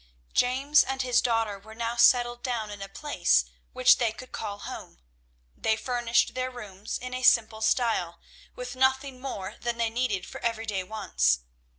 James and his daughter were now settled down in a place which they could call home; they furnished their rooms in a simple style, with nothing more than they needed for everyday wants.